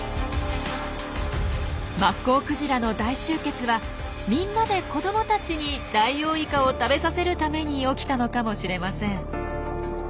マッコウクジラの大集結はみんなで子どもたちにダイオウイカを食べさせるために起きたのかもしれません。